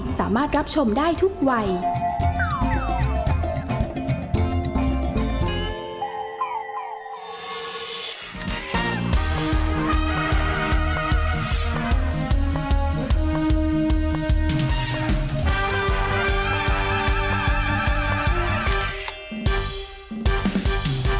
ม่าบ้านประจัดมา